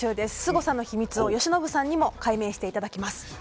すごさの秘密を由伸さんにも解明していただきます。